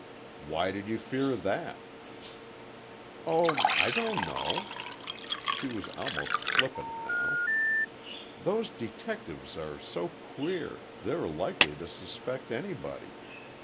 "Why did you fear that?" "Oh, I don't know." She was almost flippant now. "Those detectives are so queer, they're likely to suspect anybody.